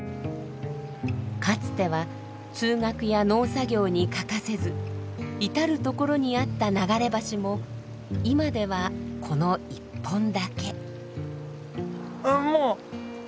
かつては通学や農作業に欠かせず至る所にあった流れ橋も今ではこの１本だけ。